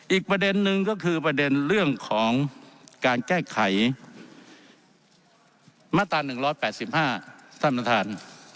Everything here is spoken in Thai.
อีกประเด็นนึงก็คือประเด็นเรื่องของการแก้ไขมาตรา๑๘๕ท่านประธาน